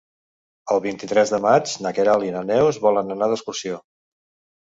El vint-i-tres de maig na Queralt i na Neus volen anar d'excursió.